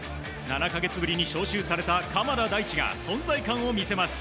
７か月ぶりに招集された鎌田大地が存在感を見せます。